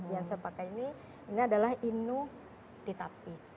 yang saya pakai ini adalah inuh ditapis